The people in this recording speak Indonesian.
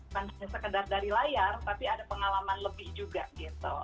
bukan hanya sekedar dari layar tapi ada pengalaman lebih juga gitu